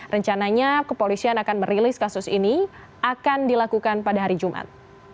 rencananya kepolisian akan merilis kasus ini akan dilakukan pada hari jumat